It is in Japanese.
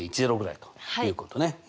１．１０ぐらいということね。